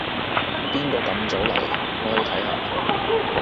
邊個咁早嚟？我去睇下